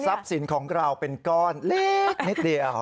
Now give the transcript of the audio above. สินของเราเป็นก้อนเล็กนิดเดียว